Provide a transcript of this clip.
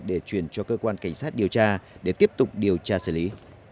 để chuyển cho cơ quan cảnh sát điều tra để tiếp tục điều tra xử lý